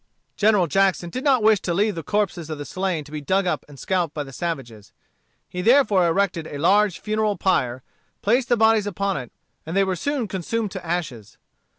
General Jackson did not wish to leave the corpses of the slain to be dug up and scalped by the savages. He therefore erected a large funeral pyre, placed the bodies upon it, and they were soon consumed to ashes.